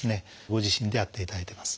ご自身でやっていただいてます。